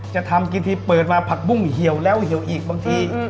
จะทำกินทีเปิดมาผักบุ้งเหี่ยวแล้วเหี่ยวอีกบางที